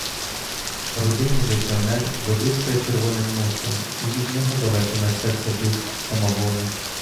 Рудий міліціонер виблискує червоним носом, і від нього далеко несеться дух самогону.